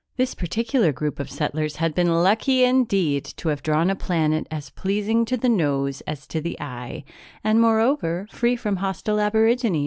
This particular group of settlers had been lucky, indeed, to have drawn a planet as pleasing to the nose as to the eye and, moreover, free from hostile aborigines.